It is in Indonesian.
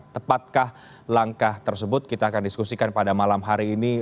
tepatkah langkah tersebut kita akan diskusikan pada malam hari ini